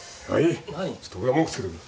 ちょっと俺が文句つけてくる。